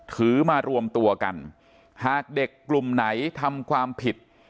ถือมารวมตัวกันหากเด็กกลุ่มไหนทำความผิด